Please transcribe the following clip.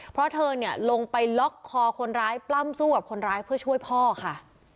เพราะเธอเนี่ยลงไปล็อกคอคนร้ายปล้ำสู้กับคนร้ายเพื่อช่วยพ่อค่ะ